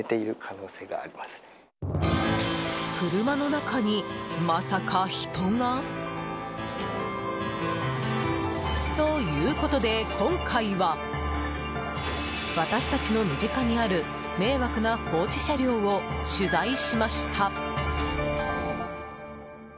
車の中に、まさか人が？ということで、今回は私たちの身近にある迷惑な放置車両を取材しました。